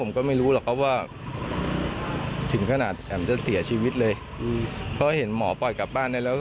หลังจากรับตัวผู้ป่วยมารับการรักษาแล้ว